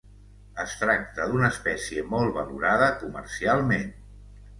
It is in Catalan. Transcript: Es tracta d'una espècie molt valorada comercialment.